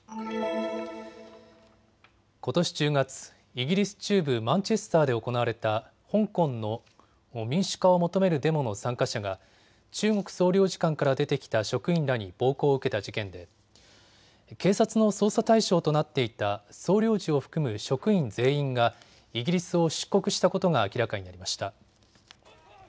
ことし１０月、イギリス中部マンチェスターで行われた香港の民主化を求めるデモの参加者が中国総領事館から出てきた職員らに暴行を受けた事件で警察の捜査対象となっていた総領事を含む職員全員がイギリスを出国したことが明らかになりました。